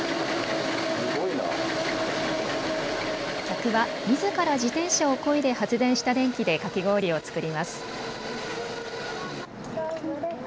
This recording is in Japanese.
客はみずから自転車をこいで発電した電気でかき氷を作ります。